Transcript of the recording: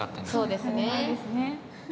そうですね。